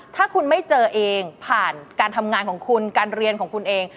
ถ้าคุณไม่เจอเองผ่านการทำงานของคุณการเรียนของคุณเอง